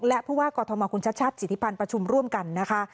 และผู้ว่ากฎธมคุณชัดจิตภัณฑ์ประชุมร่วมกันนะคะ